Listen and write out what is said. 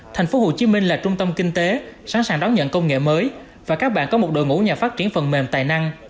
thành phố hồ chí minh là trung tâm kinh tế sẵn sàng đón nhận công nghệ mới và các bạn có một đội ngũ nhà phát triển phần mềm tài năng